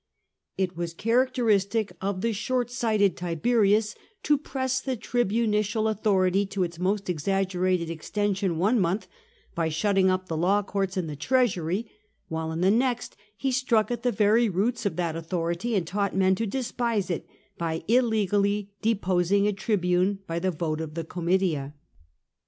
It was characteristic of the short Sghted Tibenus" to press the tribunicial authority to its most exaggerated extension one month, by shutting up the law courts and the treasury, while in the next he struck at the very roots of that authority, and taught men to despise it, by illegally deposing a tribune by the vote of the Comitia.